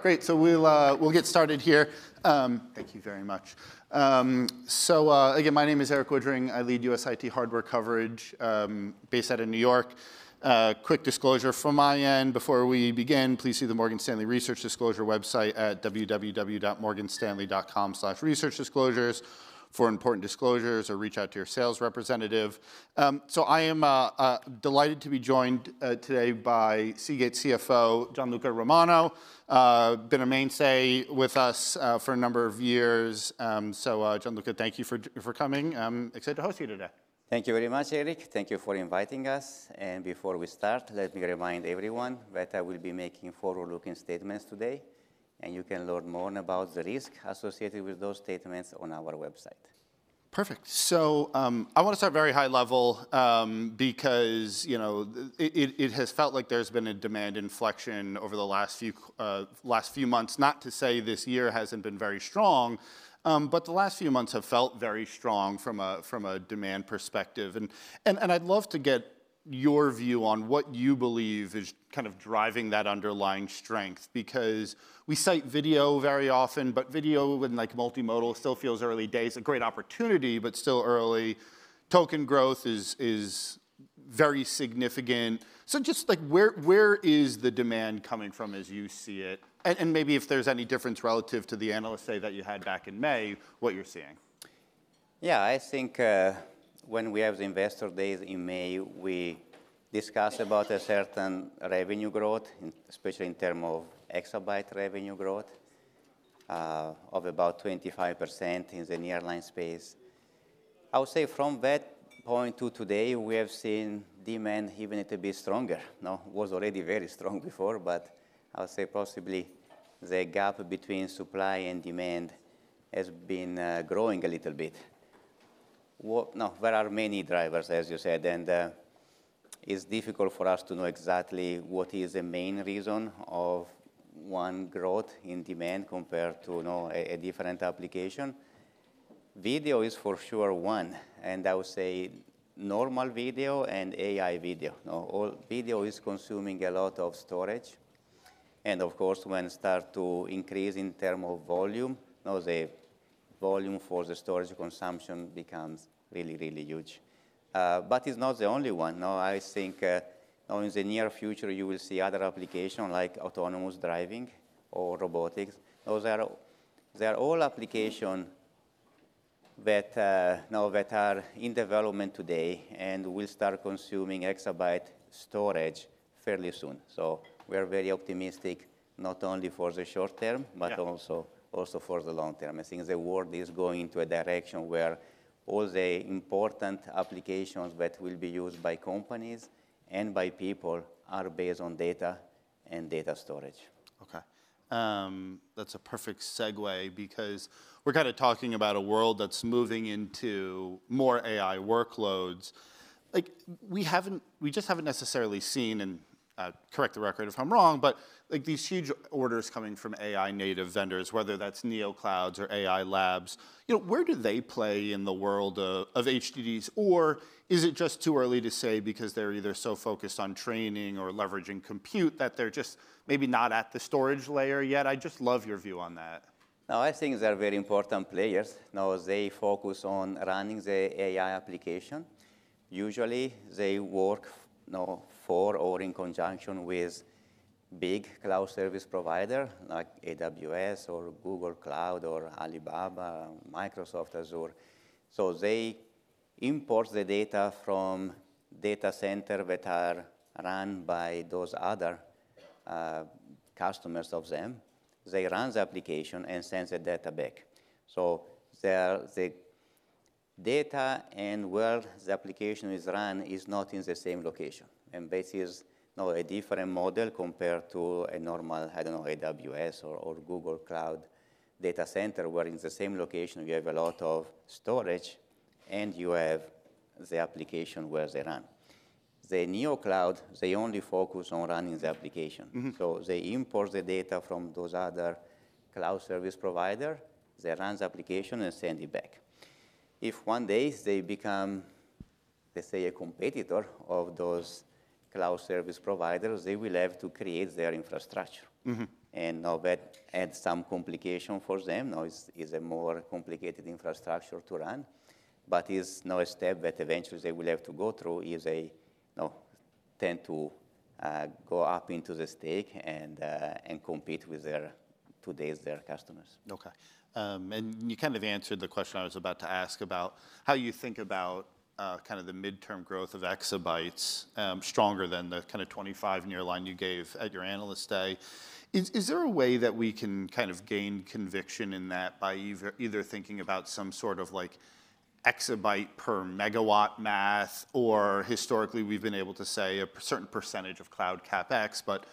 Great. So we'll get started here. Thank you very much. So again, my name is Erik Woodring. I lead U.S. IT hardware coverage based out of New York. Quick disclosure from my end before we begin. Please see the Morgan Stanley Research Disclosure website at www.morganstanley.com/researchdisclosures for important disclosures or reach out to your sales representative. So I am delighted to be joined today by Seagate CFO, Gianluca Romano. Been a mainstay with us for a number of years. So Gianluca, thank you for coming. I'm excited to host you today. Thank you very much, Erik. Thank you for inviting us. Before we start, let me remind everyone that I will be making forward-looking statements today. You can learn more about the risk associated with those statements on our website. Perfect. So I want to start very high level because it has felt like there's been a demand inflection over the last few months. Not to say this year hasn't been very strong, but the last few months have felt very strong from a demand perspective. And I'd love to get your view on what you believe is kind of driving that underlying strength because we cite video very often, but video with multimodal still feels early days, a great opportunity, but still early. Token growth is very significant. So just where is the demand coming from as you see it? And maybe if there's any difference relative to the Analyst Day that you had back in May, what you're seeing. Yeah. I think when we have the Investor Days in May, we discuss about a certain revenue growth, especially in terms of exabyte revenue growth of about 25% in the nearline space. I would say from that point to today, we have seen demand even a bit stronger. It was already very strong before, but I would say possibly the gap between supply and demand has been growing a little bit. There are many drivers, as you said, and it's difficult for us to know exactly what is the main reason of one growth in demand compared to a different application. Video is for sure one. And I would say normal video and AI video. Video is consuming a lot of storage. And of course, when it starts to increase in terms of volume, the volume for the storage consumption becomes really, really huge. But it's not the only one. I think in the near future, you will see other applications like autonomous driving or robotics. Those are all applications that are in development today and will start consuming exabyte storage fairly soon. So we're very optimistic not only for the short term, but also for the long term. I think the world is going into a direction where all the important applications that will be used by companies and by people are based on data and data storage. OK. That's a perfect segue because we're kind of talking about a world that's moving into more AI workloads. We just haven't necessarily seen, and correct the record if I'm wrong, but these huge orders coming from AI-native vendors, whether that's Neoclouds or AI Labs. Where do they play in the world of HDDs? Or is it just too early to say because they're either so focused on training or leveraging compute that they're just maybe not at the storage layer yet? I'd just love your view on that. No, I think they're very important players. They focus on running the AI application. Usually, they work for or in conjunction with big cloud service providers like AWS or Google Cloud or Alibaba, Microsoft Azure. So they import the data from data centers that are run by those other customers of them. They run the application and send the data back, so the data and where the application is run is not in the same location, and this is a different model compared to a normal, I don't know, AWS or Google Cloud data center where in the same location you have a lot of storage and you have the application where they run. The Neocloud, they only focus on running the application, so they import the data from those other cloud service providers, they run the application, and send it back. If one day they become, let's say, a competitor of those cloud service providers, they will have to create their infrastructure, and that adds some complication for them. It's a more complicated infrastructure to run, but it's a step that eventually they will have to go through if they tend to go up into the stack and compete with today's customers. OK. And you kind of answered the question I was about to ask about how you think about kind of the midterm growth of exabytes stronger than the kind of 25 nearline you gave at your Analyst Day. Is there a way that we can kind of gain conviction in that by either thinking about some sort of exabyte per megawatt math, or historically we've been able to say a certain percentage of cloud capex, but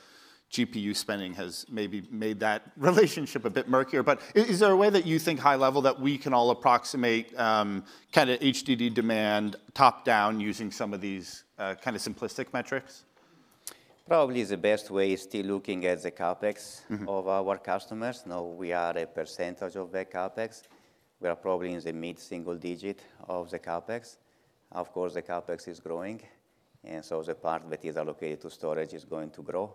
GPU spending has maybe made that relationship a bit murkier? But is there a way that you think high level that we can all approximate kind of HDD demand top-down using some of these kind of simplistic metrics? Probably the best way is still looking at the CapEx of our customers. We are a percentage of their CapEx. We are probably in the mid-single digit of the CapEx. Of course, the CapEx is growing, and so the part that is allocated to storage is going to grow.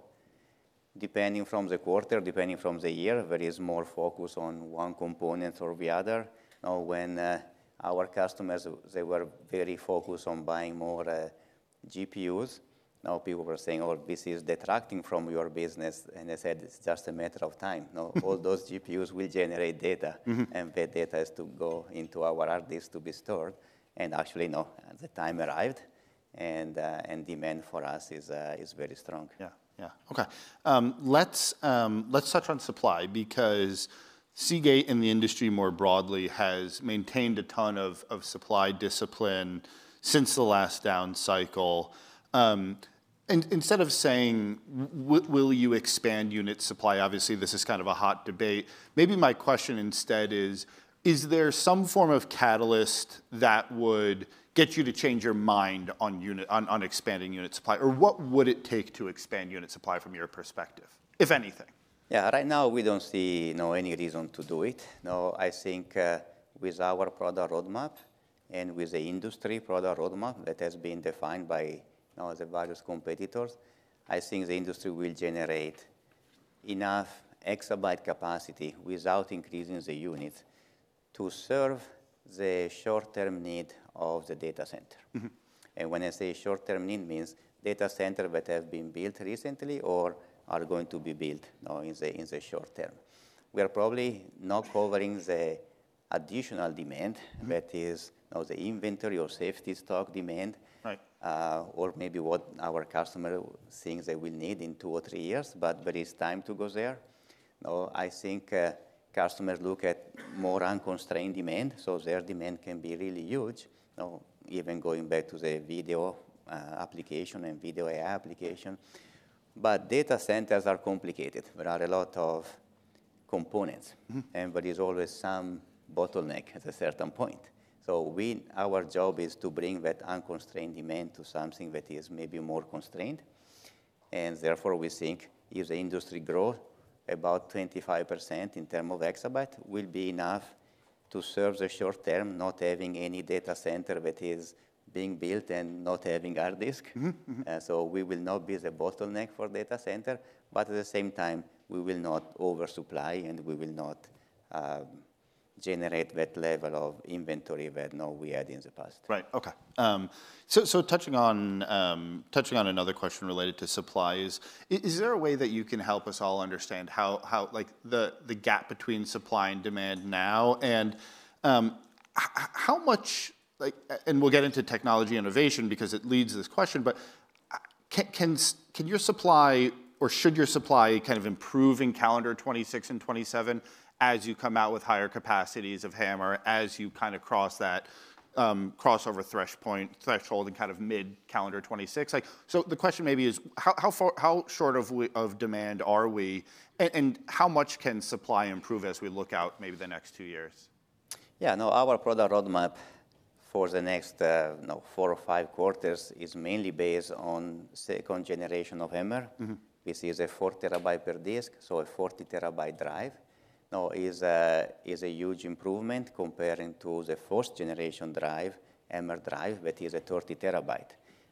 Depending from the quarter, depending from the year, there is more focus on one component or the other. When our customers, they were very focused on buying more GPUs, now people were saying, oh, this is detracting from your business, and they said, it's just a matter of time. All those GPUs will generate data, and that data has to go into our hard disks to be stored, and actually, the time arrived, and demand for us is very strong. Yeah. Yeah. OK. Let's touch on supply because Seagate in the industry more broadly has maintained a ton of supply discipline since the last down cycle. Instead of saying, will you expand unit supply? Obviously, this is kind of a hot debate. Maybe my question instead is, is there some form of catalyst that would get you to change your mind on expanding unit supply? Or what would it take to expand unit supply from your perspective, if anything? Yeah. Right now, we don't see any reason to do it. I think with our product roadmap and with the industry product roadmap that has been defined by the various competitors, I think the industry will generate enough exabyte capacity without increasing the units to serve the short-term need of the data center. And when I say short-term need, it means data centers that have been built recently or are going to be built in the short term. We are probably not covering the additional demand that is the inventory or safety stock demand or maybe what our customer thinks they will need in two or three years, but there is time to go there. I think customers look at more unconstrained demand. So their demand can be really huge, even going back to the video application and video AI application. But data centers are complicated. There are a lot of components, and there is always some bottleneck at a certain point, so our job is to bring that unconstrained demand to something that is maybe more constrained, and therefore, we think if the industry grows about 25% in terms of exabyte, it will be enough to serve the short term, not having any data center that is being built and not having hard disks, so we will not be the bottleneck for data centers, but at the same time, we will not oversupply and we will not generate that level of inventory that we had in the past. Right. OK. So touching on another question related to supplies, is there a way that you can help us all understand the gap between supply and demand now? And how much, and we'll get into technology innovation because it leads to this question, but can your supply or should your supply kind of improve in calendar 2026 and 2027 as you come out with higher capacities of HAMR, as you kind of cross that crossover threshold in kind of mid-calendar 2026? So the question maybe is, how short of demand are we? And how much can supply improve as we look out maybe the next two years? Yeah. Our product roadmap for the next four or five quarters is mainly based on second generation of HAMR, which is a four TB per disk, so a 40 TB drive. It's a huge improvement compared to the first generation HAMR drive that is a 30 TB.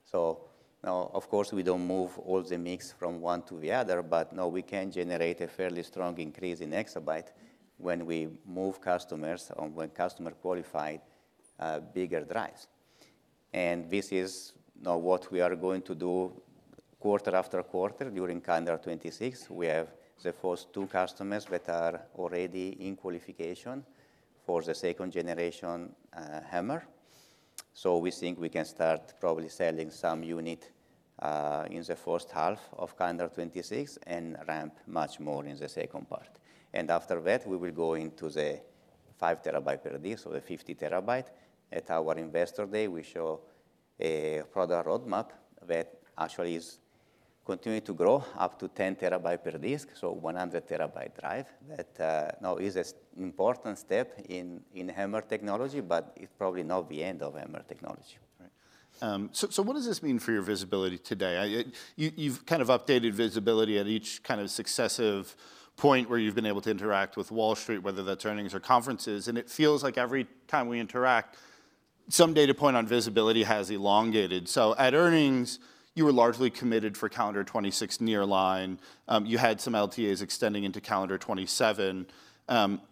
So of course, we don't move all the mix from one to the other, but we can generate a fairly strong increase in exabyte when we move customers or when customers qualify bigger drives. And this is what we are going to do quarter after quarter during calendar 2026. We have the first two customers that are already in qualification for the second generation HAMR. So we think we can start probably selling some units in the first half of calendar 2026 and ramp much more in the second part. After that, we will go into the 5 TB per disk or the 50 TB. At our investor day, we show a product roadmap that actually is continuing to grow up to 10 TB per disk, so 100 TB drive that is an important step in HAMR technology, but it's probably not the end of HAMR technology. So what does this mean for your visibility today? You've kind of updated visibility at each kind of successive point where you've been able to interact with Wall Street, whether that's earnings or conferences. And it feels like every time we interact, some data point on visibility has elongated. So at earnings, you were largely committed for calendar 2026 nearline. You had some LTAs extending into calendar 2027.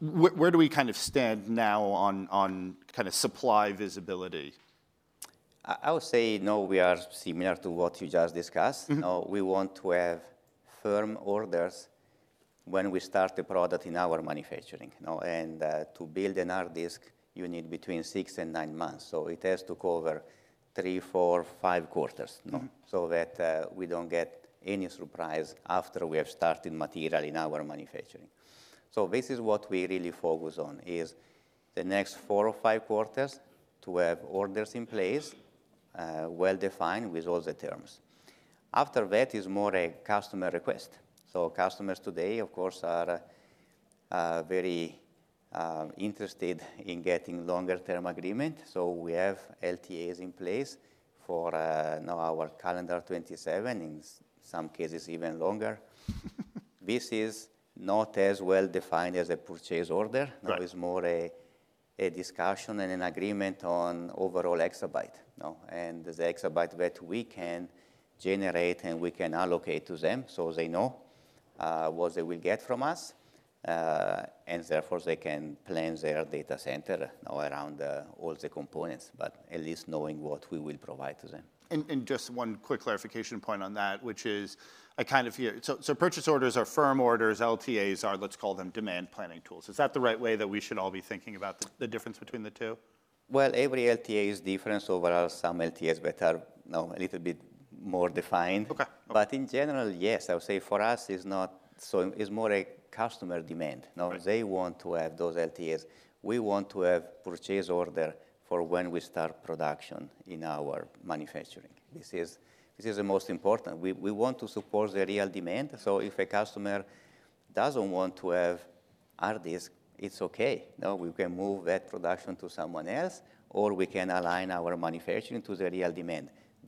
Where do we kind of stand now on kind of supply visibility? I would say we are similar to what you just discussed. We want to have firm orders when we start the product in our manufacturing, and to build a hard disk, you need between six and nine months, so it has to cover three, four, five quarters so that we don't get any surprise after we have started material in our manufacturing. So this is what we really focus on, is the next four or five quarters to have orders in place well-defined with all the terms. After that is more a customer request. Customers today, of course, are very interested in getting longer-term agreement, so we have LTAs in place for our calendar 2027, in some cases even longer. This is not as well-defined as a purchase order. It's more a discussion and an agreement on overall exabyte. And the exabyte that we can generate and we can allocate to them so they know what they will get from us. And therefore, they can plan their data center around all the components, but at least knowing what we will provide to them. Just one quick clarification point on that, which is I kind of hear. So purchase orders are firm orders. LTAs are, let's call them, demand planning tools. Is that the right way that we should all be thinking about the difference between the two? Every LTA is different. So there are some LTAs that are a little bit more defined. But in general, yes. I would say for us, it's more a customer demand. They want to have those LTAs. We want to have a purchase order for when we start production in our manufacturing. This is the most important. We want to support the real demand. So if a customer doesn't want to have hard disks, it's OK. We can move that production to someone else, or we can align our manufacturing to the real demand.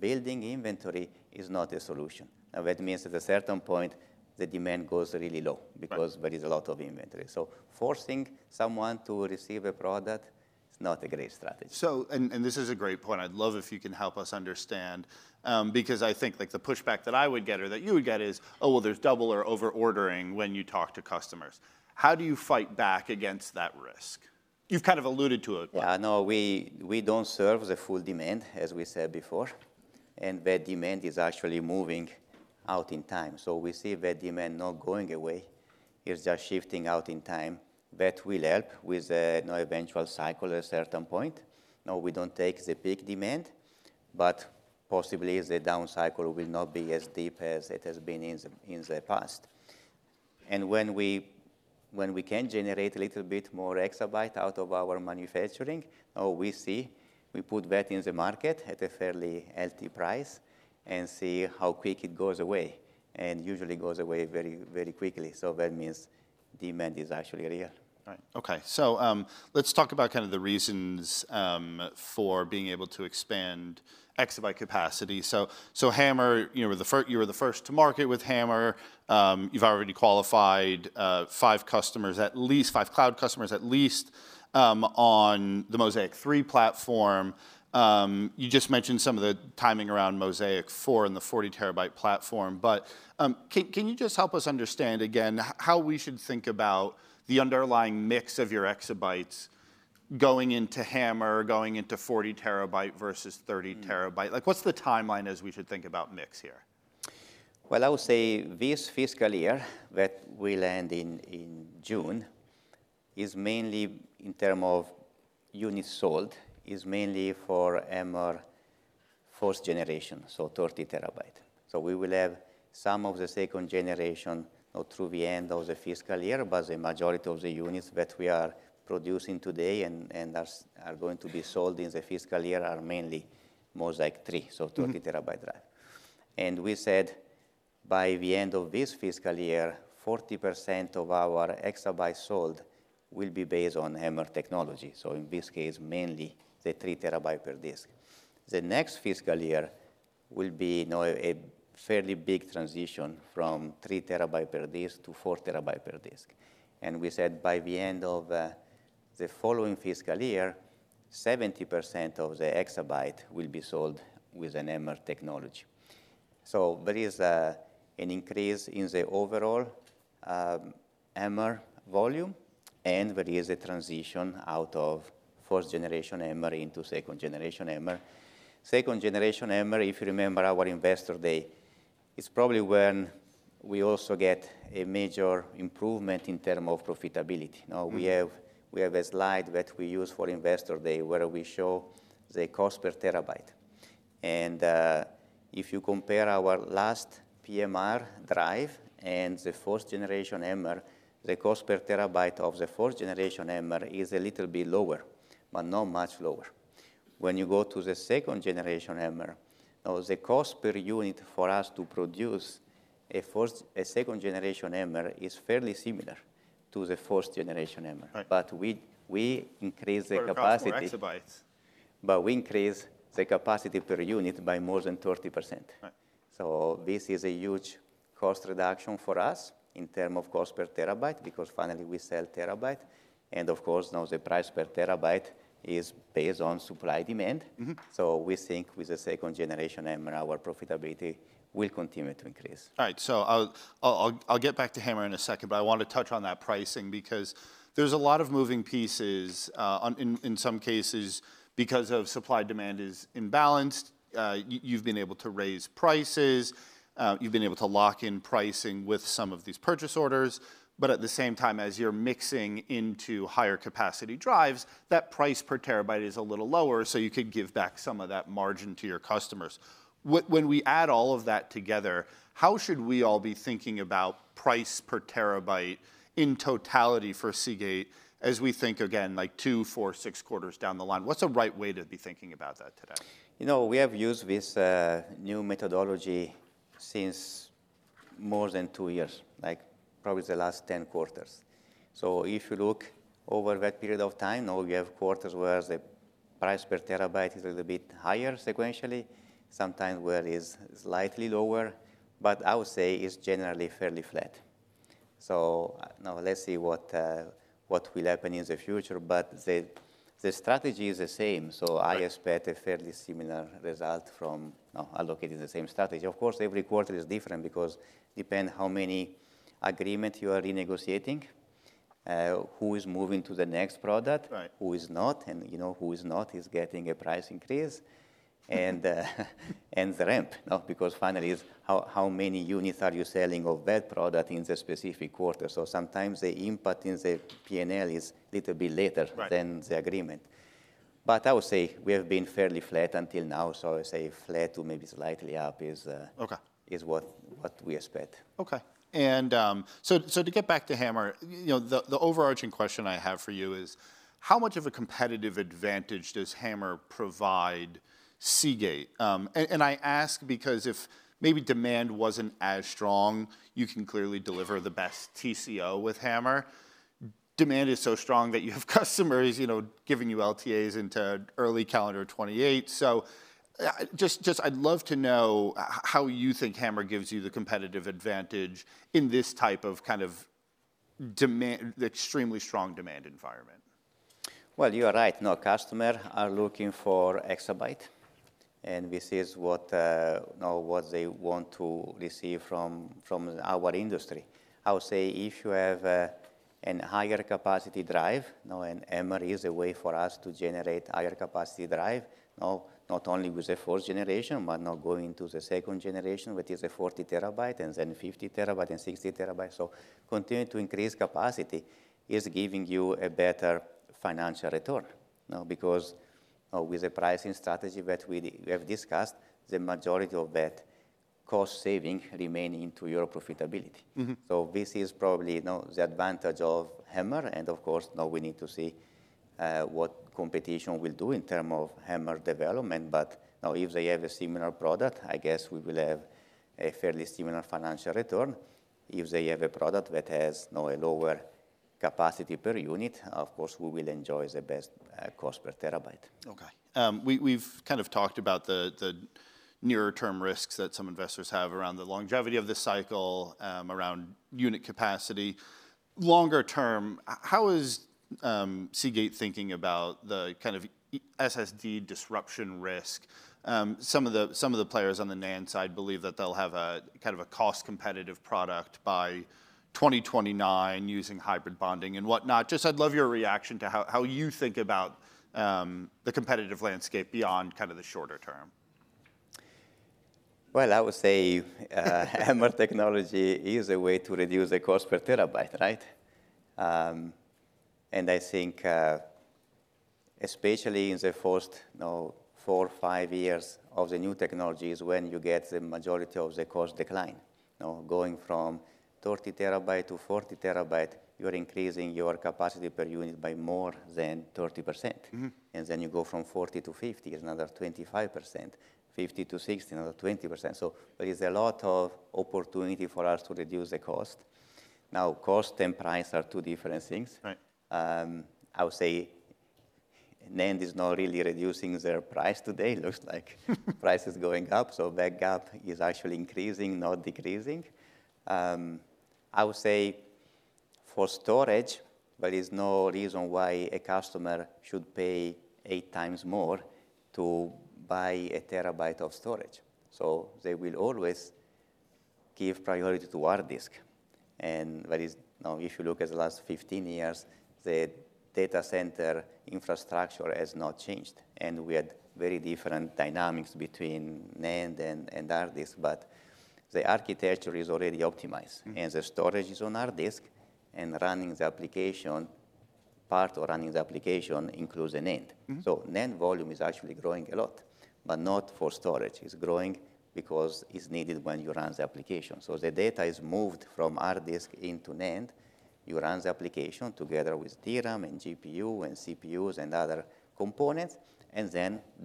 Building inventory is not a solution. That means at a certain point, the demand goes really low because there is a lot of inventory. So forcing someone to receive a product is not a great strategy. This is a great point. I'd love if you can help us understand because I think the pushback that I would get or that you would get is, oh, well, there's double or over-ordering when you talk to customers. How do you fight back against that risk? You've kind of alluded to it. Yeah. We don't serve the full demand, as we said before. And that demand is actually moving out in time. So we see that demand not going away. It's just shifting out in time. That will help with the eventual cycle at a certain point. We don't take the peak demand, but possibly the down cycle will not be as deep as it has been in the past. And when we can generate a little bit more exabyte out of our manufacturing, we see we put that in the market at a fairly healthy price and see how quick it goes away. And usually, it goes away very quickly. So that means demand is actually real. Right. OK. So let's talk about kind of the reasons for being able to expand exabyte capacity. So you were the first to market with HAMR. You've already qualified five customers, at least five cloud customers, at least on the Mozaic 3 platform. You just mentioned some of the timing around Mozaic 4 and the 40 TB platform. But can you just help us understand again how we should think about the underlying mix of your exabytes going into HAMR, going into 40 TB versus 30 TB? What's the timeline as we should think about mix here? I would say this fiscal year that we land in June is mainly in terms of units sold is mainly for HAMR first generation, so 30 TB. We will have some of the second generation through the end of the fiscal year, but the majority of the units that we are producing today and are going to be sold in the fiscal year are mainly Mozaic 3, so 30 TB drive. We said by the end of this fiscal year, 40% of our exabyte sold will be based on HAMR technology. In this case, mainly the 3 TB per disk. The next fiscal year will be a fairly big transition from 3 TB per disk to 4 TB per disk. We said by the end of the following fiscal year, 70% of the exabyte will be sold with HAMR technology. So there is an increase in the overall HAMR volume. And there is a transition out of first generation HAMR into second generation HAMR. Second generation HAMR, if you remember our investor day, it's probably when we also get a major improvement in terms of profitability. We have a slide that we use for investor day where we show the cost per TB. And if you compare our last PMR drive and the first generation HAMR, the cost per TB of the first generation HAMR is a little bit lower, but not much lower. When you go to the second generation HAMR, the cost per unit for us to produce a second generation HAMR is fairly similar to the first generation HAMR. But we increase the capacity. exabytes? But we increase the capacity per unit by more than 30%. So this is a huge cost reduction for us in terms of cost per TB because finally we sell TB. And of course, the price per TB is based on supply demand. So we think with the second generation HAMR, our profitability will continue to increase. Right. So I'll get back to HAMR in a second, but I want to touch on that pricing because there's a lot of moving pieces in some cases because of supply demand is imbalanced. You've been able to raise prices. You've been able to lock in pricing with some of these purchase orders. But at the same time, as you're mixing into higher capacity drives, that price per TB is a little lower, so you could give back some of that margin to your customers. When we add all of that together, how should we all be thinking about price per TB in totality for Seagate as we think, again, like two, four, six quarters down the line? What's the right way to be thinking about that today? We have used this new methodology since more than two years, probably the last 10 quarters. So if you look over that period of time, we have quarters where the price per TB is a little bit higher sequentially, sometimes where it's slightly lower. But I would say it's generally fairly flat. So let's see what will happen in the future. But the strategy is the same. So I expect a fairly similar result from allocating the same strategy. Of course, every quarter is different because it depends how many agreements you are renegotiating, who is moving to the next product, who is not. And who is not is getting a price increase. And the ramp, because finally, how many units are you selling of that product in the specific quarter? So sometimes the impact in the P&L is a little bit later than the agreement. But I would say we have been fairly flat until now. So I would say flat to maybe slightly up is what we expect. OK. And so to get back to HAMR, the overarching question I have for you is, how much of a competitive advantage does HAMR provide Seagate? And I ask because if maybe demand wasn't as strong, you can clearly deliver the best TCO with HAMR. Demand is so strong that you have customers giving you LTAs into early calendar 2028. So I'd love to know how you think HAMR gives you the competitive advantage in this type of kind of extremely strong demand environment. You are right. Customers are looking for exabyte. This is what they want to receive from our industry. I would say if you have a higher capacity drive, HAMR is a way for us to generate higher capacity drive, not only with the fourth generation, but now going to the second generation, which is a 40 TB, and then 50 TB, and 60 TB. Continue to increase capacity is giving you a better financial return because with the pricing strategy that we have discussed, the majority of that cost saving remains into your profitability. This is probably the advantage of HAMR. Of course, we need to see what competition will do in terms of HAMR development. If they have a similar product, I guess we will have a fairly similar financial return. If they have a product that has a lower capacity per unit, of course, we will enjoy the best cost per TB. OK. We've kind of talked about the nearer-term risks that some investors have around the longevity of the cycle, around unit capacity. Longer term, how is Seagate thinking about the kind of SSD disruption risk? Some of the players on the NAND side believe that they'll have a kind of a cost competitive product by 2029 using hybrid bonding and whatnot. Just, I'd love your reaction to how you think about the competitive landscape beyond kind of the shorter term. I would say HAMR technology is a way to reduce the cost per TB, right? And I think especially in the first four or five years of the new technology is when you get the majority of the cost decline. Going from 30 TB-40 TB, you're increasing your capacity per unit by more than 30%. And then you go from 40%-50%, another 25%. 50%-60%, another 20%. So there is a lot of opportunity for us to reduce the cost. Now, cost and price are two different things. I would say NAND is not really reducing their price today. It looks like price is going up. So that gap is actually increasing, not decreasing. I would say for storage, there is no reason why a customer should pay eight times more to buy a TB of storage. They will always give priority to hard disk. If you look at the last 15 years, the data center infrastructure has not changed. We had very different dynamics between NAND and hard disk. The architecture is already optimized. The storage is on hard disk. Running the application part or running the application includes a NAND. NAND volume is actually growing a lot, but not for storage. It's growing because it's needed when you run the application. The data is moved from hard disk into NAND. You run the application together with DRAM and GPU and CPUs and other components.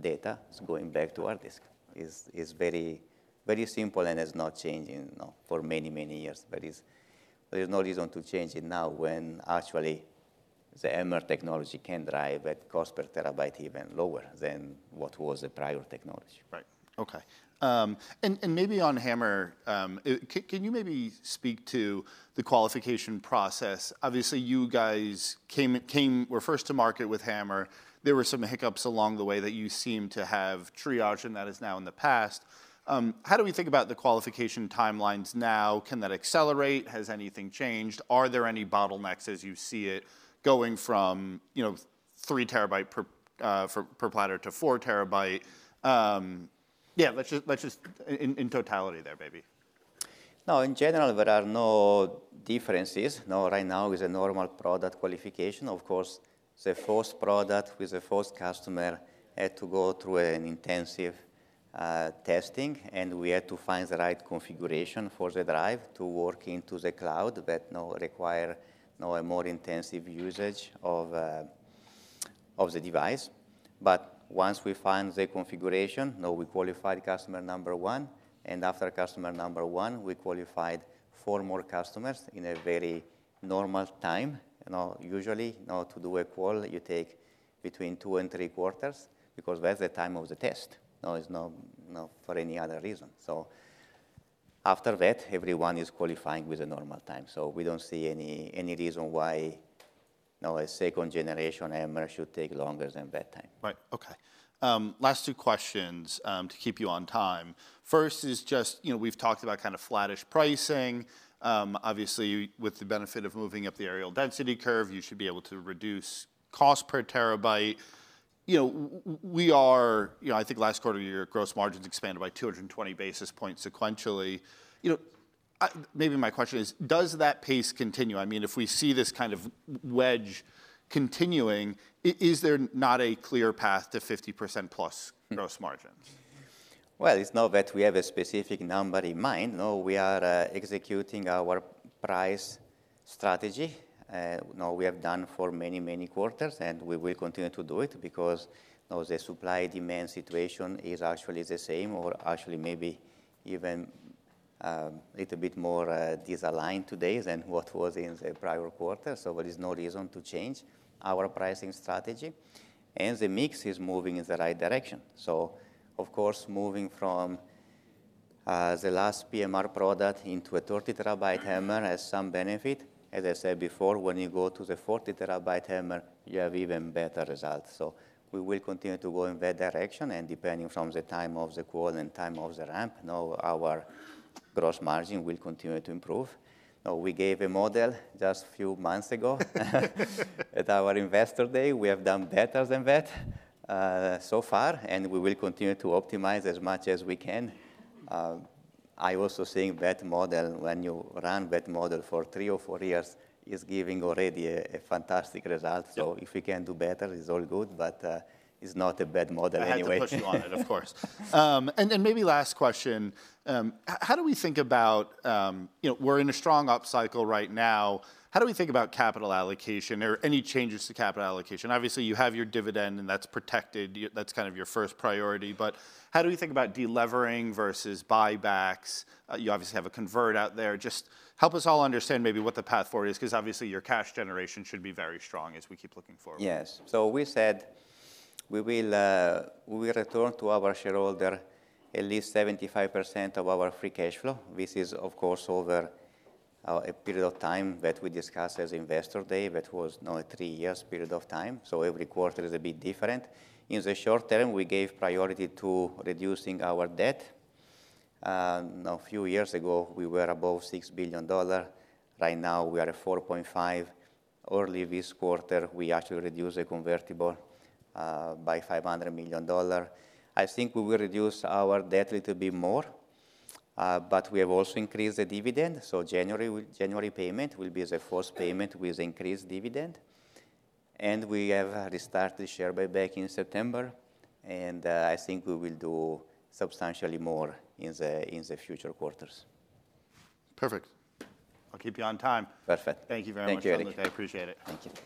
Data is going back to hard disk. It's very simple and has not changed for many, many years. There is no reason to change it now when actually the HAMR technology can drive that cost per TB even lower than what was the prior technology. Right. OK. And maybe on HAMR, can you maybe speak to the qualification process? Obviously, you guys were first to market with HAMR. There were some hiccups along the way that you seem to have triaged, and that is now in the past. How do we think about the qualification timelines now? Can that accelerate? Has anything changed? Are there any bottlenecks as you see it going from 3 TB per platter to 4 TB? Yeah, let's just in totality there, maybe. No, in general, there are no differences. Right now, it's a normal product qualification. Of course, the first product with the first customer had to go through an intensive testing. And we had to find the right configuration for the drive to work into the cloud that requires a more intensive usage of the device. But once we find the configuration, we qualified customer number one. And after customer number one, we qualified four more customers in a very normal time. Usually, to do a qual, you take between two and three quarters because that's the time of the test. It's not for any other reason. So after that, everyone is qualifying with a normal time. So we don't see any reason why a second generation HAMR should take longer than that time. Right. OK. Last two questions to keep you on time. First is just we've talked about kind of flattish pricing. Obviously, with the benefit of moving up the areal density curve, you should be able to reduce cost per TB. I think last quarter, your gross margins expanded by 220 basis points sequentially. Maybe my question is, does that pace continue? I mean, if we see this kind of wedge continuing, is there not a clear path to 50% plus gross margins? It's not that we have a specific number in mind. We are executing our price strategy we have done for many, many quarters. And we will continue to do it because the supply-demand situation is actually the same or actually maybe even a little bit more misaligned today than what was in the prior quarter. So there is no reason to change our pricing strategy. And the mix is moving in the right direction. So of course, moving from the last PMR product into a 30 TB HAMR has some benefit. As I said before, when you go to the 40 TB HAMR, you have even better results. So we will continue to go in that direction. And depending from the time of the call and time of the ramp, our gross margin will continue to improve. We gave a model just a few months ago at our investor day. We have done better than that so far, and we will continue to optimize as much as we can. I also think that model when you run that model for three or four years is giving already a fantastic result, so if we can do better, it's all good, but it's not a bad model anyway. I think that's what you wanted, of course, and then maybe last question, how do we think about we're in a strong up cycle right now? How do we think about capital allocation or any changes to capital allocation? Obviously, you have your dividend, and that's protected. That's kind of your first priority, but how do we think about delivering versus buybacks? You obviously have a convert out there. Just help us all understand maybe what the path forward is because obviously your cash generation should be very strong as we keep looking forward. Yes, so we said we will return to our shareholder at least 75% of our free cash flow. This is, of course, over a period of time that we discussed at Investor Day that was not a three-year period of time, so every quarter is a bit different. In the short term, we gave priority to reducing our debt. A few years ago, we were above $6 billion. Right now, we are at $4.5 billion. Early this quarter, we actually reduced the convertible by $500 million. I think we will reduce our debt a little bit more. But we have also increased the dividend, so the January payment will be the first payment with increased dividend, and we have restarted share buyback in September, and I think we will do substantially more in the future quarters. Perfect. I'll keep you on time. Perfect. Thank you very much. Thank you, Erik. I appreciate it. Thank you.